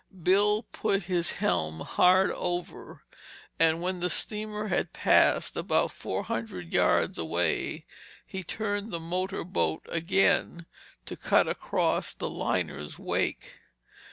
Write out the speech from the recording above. Bill put his helm hard over and when the steamer had passed about four hundred yards away, he turned the motor boat again to cut across the liner's wake.